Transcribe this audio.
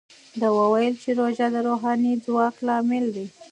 ده وویل چې روژه د روحاني ځواک لامل دی.